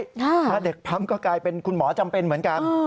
ถ้าเด็กปั๊มก็กลายเป็นคุณหมอจำเป็นเหมือนกัน